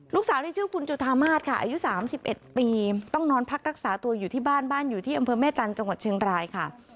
ลูกสาวนี่ชื่อคุณจุธามาศค่ะอายุ๓๑ปีต้องนอนพักรักษาตัวอยู่ที่บ้านบ้านอยู่ที่อำเภอแม่จันทร์จังหวัดเชียงรายค่ะ